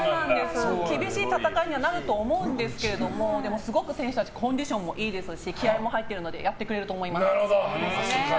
厳しい戦いにはなると思うんですけどすごく選手たちコンディションもいいですし気合も入ってるのでやってくれると思います。